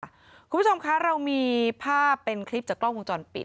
คุณผู้ชมคะเรามีภาพเป็นคลิปจากกล้องวงจรปิด